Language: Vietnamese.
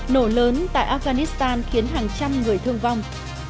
nổ lớn tại afghanistan khiến hàng trăm người thương vong